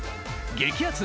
激アツ！